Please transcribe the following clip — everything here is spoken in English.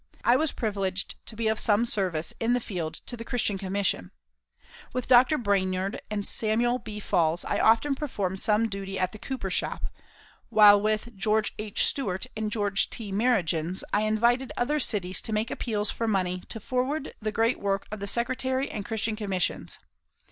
I was privileged to be of some service in the field to the Christian Commission. With Dr. Brainerd and Samuel B. Falls I often performed some duty at the Cooper shop; while with George H. Stuart and George T. Merigens I invited other cities to make appeals for money to forward the great work of the Secretary and Christian Commissions.